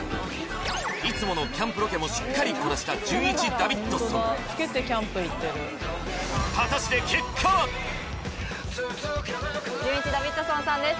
いつものキャンプロケもしっかりこなしたじゅんいちダビッドソンじゅんいちダビッドソンさんです